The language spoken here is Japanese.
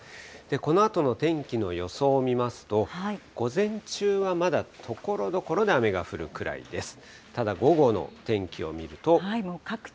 このあとの天気の予想を見ますと、午前中はまだところどころで雨が降るくらいです。